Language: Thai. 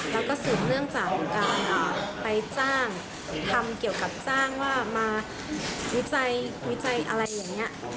แล้วก็สืบเนื่องจากการไปจ้างทำเกี่ยวกับสร้างว่ามาวิจัยวิจัยอะไรอย่างนี้